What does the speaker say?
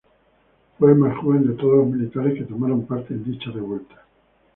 Fue el más joven de todos los militares que tomaron parte en dicha revuelta.